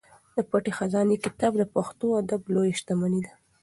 د پټې خزانې کتاب د پښتو ادب لویه شتمني ده.